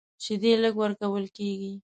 شیدې لږ ورکول کېږي.